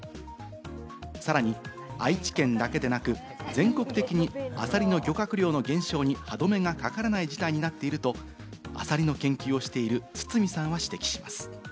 さらに愛知県だけでなく、全国的にアサリの漁獲量の減少に歯止めがかからない事態になっていると、アサリの研究をしている堤さんは指摘します。